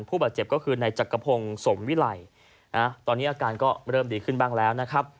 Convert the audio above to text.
ผู้บาดเจ็บก็คือในจักรพงศ์สมวิไลตอนนี้อาการก็เริ่มดีขึ้นบ้างแล้วนะครับ